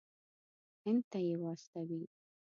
هند ته یې واستوي.